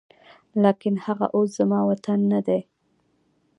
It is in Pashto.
لاکن هغه اوس زما وطن نه دی